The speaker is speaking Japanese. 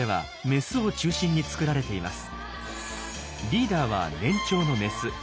リーダーは年長のメス。